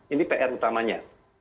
ini pr utamanya